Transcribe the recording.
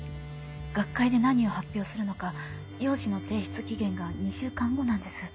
学会で何を発表するのか要旨の提出期限が２週間後なんです。